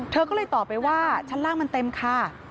เธอก็เลยตอบไปว่าชั้นล่างมันเต็มค่ะ